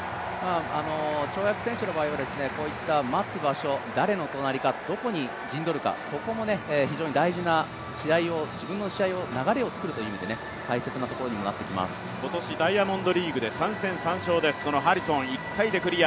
跳躍選手の場合は、待つ場所誰の隣か、どこに陣取るか、ここも非常に大事な自分の試合の流れを作るという意味で、今年ダイヤモンドリーグで３戦３勝です、ハリソン１回でクリア。